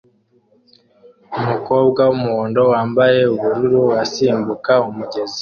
Umukobwa wumuhondo wambaye ubururu asimbuka umugezi